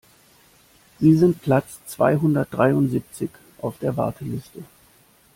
Sie sind Platz zweihundertdreiundsiebzig auf der Warteliste.